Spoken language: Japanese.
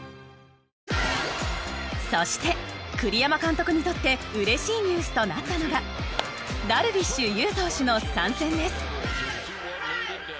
そして栗山監督にとってうれしいニュースとなったのがダルビッシュ有投手の参戦です。